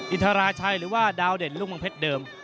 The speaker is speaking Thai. อินทราชัยหรือว่าดาวเด่นลูกเมืองเพชรเดิม